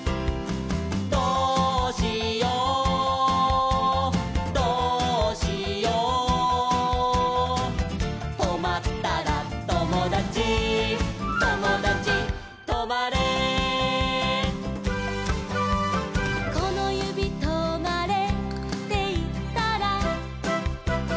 「どうしようどうしよう」「とまったらともだちともだちとまれ」「このゆびとまれっていったら」